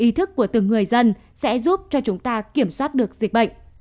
ý thức của từng người dân sẽ giúp cho chúng ta kiểm soát được dịch bệnh